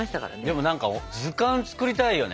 でも何か図鑑作りたいよね。